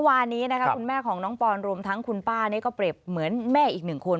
วันนี้นะคะคุณแม่ของน้องปอนรวมทั้งคุณป้านี่ก็เปรียบเหมือนแม่อีกหนึ่งคน